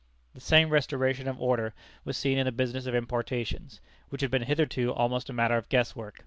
The same restoration of order was seen in the business of importations, which had been hitherto almost a matter of guess work.